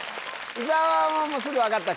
伊沢はすぐ分かった？